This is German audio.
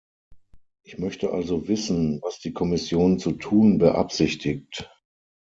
Ich möchte also wissen, was die Kommission zu tun beabsichtigt.